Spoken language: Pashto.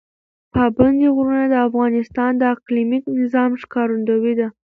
پابندی غرونه د افغانستان د اقلیمي نظام ښکارندوی ده.